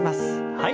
はい。